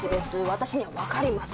私にはわかります。